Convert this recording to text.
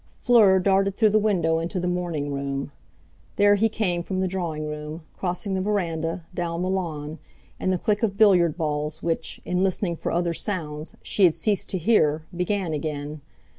Fleur darted through the window into the morning room. There he came from the drawing room, crossing the verandah, down the lawn; and the click of billiard balls which, in listening for other sounds, she had ceased to hear, began again.